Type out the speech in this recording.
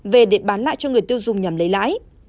về để bán lại cho người tiêu dùng nhằm lấy lãi